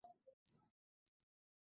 শশাঙ্কের স্ত্রী শর্মিলা মায়ের জাত।